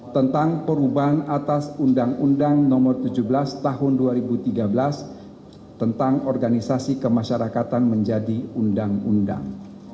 tentang perubahan atas undang undang nomor tujuh belas tahun dua ribu tiga belas tentang organisasi kemasyarakatan menjadi undang undang